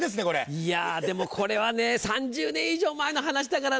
いやでもこれはね３０年以上前の話だからなぁ。